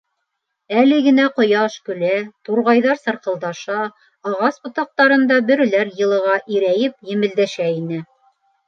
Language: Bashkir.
Әле генә ҡояш көлә, турғайҙар сырҡылдаша, ағас ботаҡтарында бөрөләр йылыға ирәйеп емелдәшә ине.